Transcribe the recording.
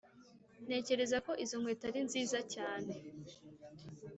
ntekereza ko izo nkweto ari nziza cyane.